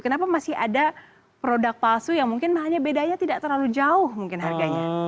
kenapa masih ada produk palsu yang mungkin bedanya tidak terlalu jauh mungkin harganya